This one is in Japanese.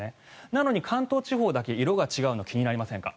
なのに関東地方だけ色が違うの気になりませんか？